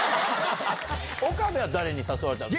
岡部は誰に誘われたの？